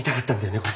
これ。